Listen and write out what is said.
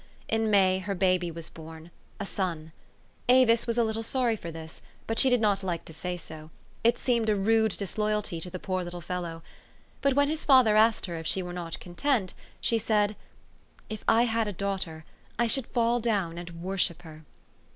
In May her baby was born, a son. Avis was a little sorry for this, but she did not like to say so : it seemed a rude disloyalty to the poor little fellow. But when his father asked her if she were not con tent, she said, " If I had a daughter, I should fall down and wor ship her."